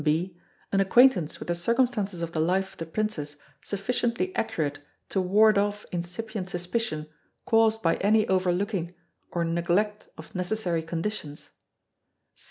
(b) An acquaintance with the circumstances of the life of the Princess sufficiently accurate to ward off incipient suspicion caused by any overlooking or neglect of necessary conditions.